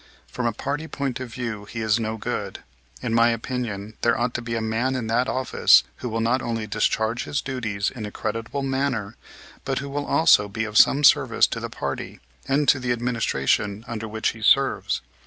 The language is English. From a party point of view he is no good. In my opinion, there ought to be a man in that office who will not only discharge his duties in a creditable manner, but who will also be of some service to the party and to the administration under which he serves.